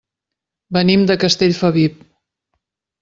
Venim de Castellfabib.